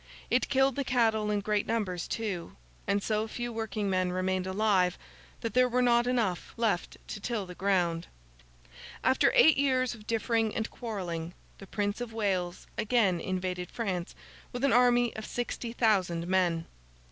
It killed the cattle, in great numbers, too; and so few working men remained alive, that there were not enough left to till the ground. After eight years of differing and quarrelling, the Prince of Wales again invaded France with an army of sixty thousand men.